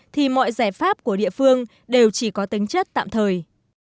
thì mọi giải pháp của địa phương đều chỉ có tính chất tạm thời